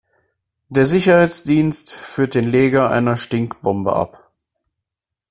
Der Sicherheitsdienst führt den Leger einer Stinkbombe ab.